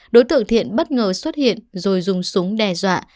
đối tượng thiện bất ngờ xuất hiện rồi dùng súng đe dọa